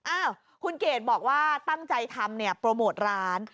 อ้าวคุณเกดบอกว่าตั้งใจทำเนี่ยโปรโมทร้าน